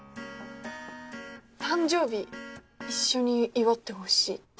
「誕生日一緒に祝ってほしい」って。